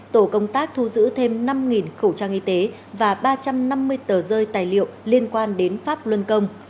tổ công tác thu giữ thêm năm khẩu trang y tế và ba trăm năm mươi tờ rơi tài liệu liên quan đến pháp luân công